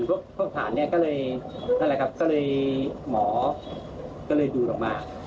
เพราะฐานนี้ก็เลยหมอก็เลยดูลงมา